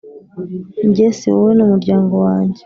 njye: si wowe ni umuryango wanjye